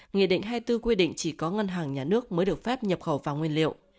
nghị định hai mươi bốn quy định chỉ có ngân hàng nhà nước mới được phép nhập khẩu vào nguyên liệu